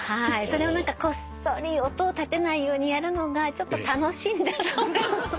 それを何かこっそり音を立てないようにやるのがちょっと楽しいんだと思います。